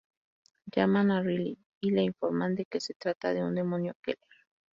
Llaman a Riley y le informan de que se trata de un demonio Keller.